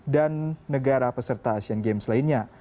negara peserta asian games lainnya